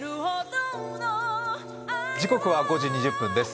時刻は５時２０分です。